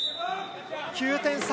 ９点差。